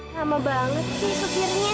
lama banget sih supirnya